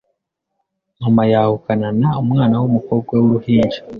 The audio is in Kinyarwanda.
mama yahukanana umwana w’umukobwa w’uruhinja